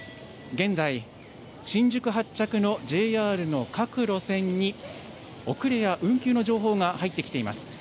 現在、新宿発着のＪＲの各路線に遅れや運休の情報が入ってきています。